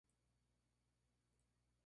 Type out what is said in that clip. El uso del dinero público fue controversial.